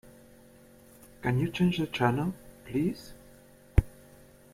Can you change the channel, please?